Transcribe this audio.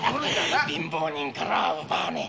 貧乏人からは奪わねえ。